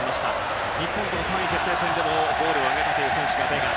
日本との３位決定戦でもゴールを挙げたベガ。